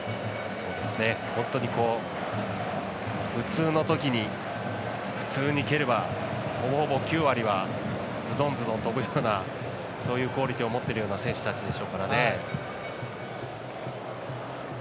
本当に普通のときに普通に蹴れば、ほぼほぼ９割はズドン、ズドン飛ぶようなそういうクオリティーを持っているような選手たちですからね。